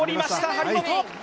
張本！